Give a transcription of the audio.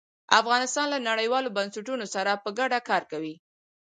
افغانستان له نړیوالو بنسټونو سره په ګډه کار کوي.